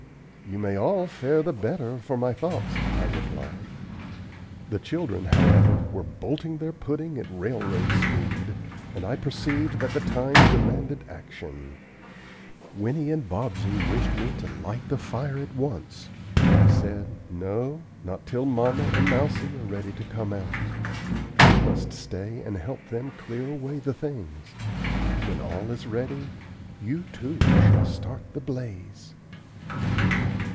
"You may all fare the better for my thoughts," I replied. The children, however, were bolting their pudding at railroad speed, and I perceived that the time demanded action. Winnie and Bobsey wished me to light the fire at once, but I said: "No, not till mamma and Mousie are ready to come out. You must stay and help them clear away the things. When all is ready, you two shall start the blaze."